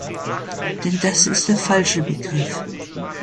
Denn das ist der falsche Begriff.